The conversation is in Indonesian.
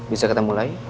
bisa ketemu lagi